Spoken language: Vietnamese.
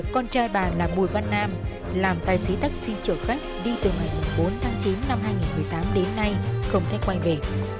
con trai bà là bùi văn nam làm tài xế taxi chở khách đi từ ngày bốn tháng chín năm hai nghìn một mươi tám đến nay không thể quay về